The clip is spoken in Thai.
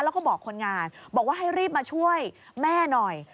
แล้วก็บอกคนงานบอกว่าให้รีบมาช่วยแม่หน่อย